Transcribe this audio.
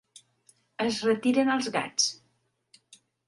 Es retiren els gats.